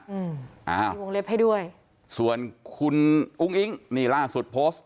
อืมอ่ามีวงเล็บให้ด้วยส่วนคุณอุ้งอิ๊งนี่ล่าสุดโพสต์